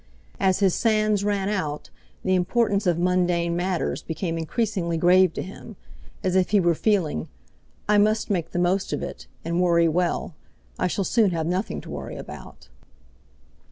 As his sands ran out; the importance of mundane matters became increasingly grave to him, as if he were feeling: "I must make the most of it, and worry well; I shall soon have nothing to worry about."